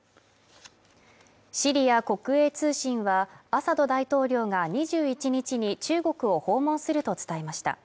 シリア国営通信はアサド大統領が２１日に中国を訪問すると伝えました